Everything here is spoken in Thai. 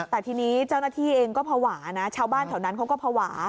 แต่ทีนี้เจ้าหน้าที่เองก็ภาวะนะชาวบ้านแถวนั้นเขาก็ภาวะ